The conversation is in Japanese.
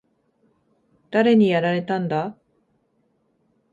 誰にやられたんだ？